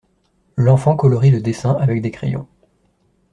L’enfant colorie le dessin avec des crayons.